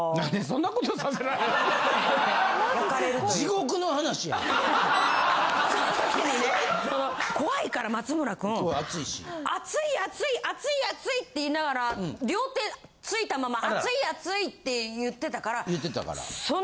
そのときにね怖いから松村君熱い熱いって言いながら両手ついたまま熱い熱いって言ってたから。